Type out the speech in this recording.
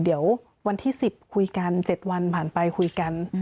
เดี๋ยววันที่๑๐คุยกัน๗วันผ่านไปคุยกัน